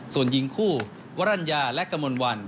ส่วนยิงคู่วรรณญาและกระมวลวัน